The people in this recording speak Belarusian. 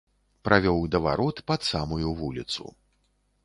Правёў да варот пад самую вуліцу.